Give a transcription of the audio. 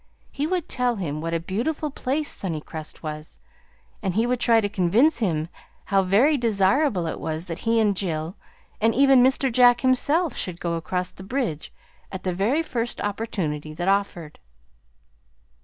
He would tell him what a beautiful place Sunnycrest was, and he would try to convince him how very desirable it was that he and Jill, and even Mr. Jack himself, should go across the bridge at the very first opportunity that offered.